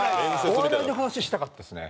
お笑いの話したかったですね。